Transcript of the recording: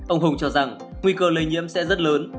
ông hùng cho rằng nguy cơ lây nhiễm sẽ rất lớn